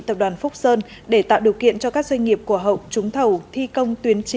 tập đoàn phúc sơn để tạo điều kiện cho các doanh nghiệp của hậu trúng thầu thi công tuyến